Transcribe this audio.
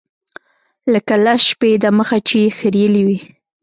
لکه لس شپې د مخه چې يې خرييلي وي.